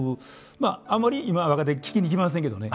まああまり今若手聞きに来ませんけどね